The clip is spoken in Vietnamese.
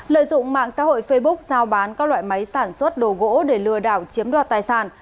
lợi dụng mạng xã hội facebook giao bán các loại máy sản xuất đồ gỗ để lừa đảo chiếm đoạt tài sản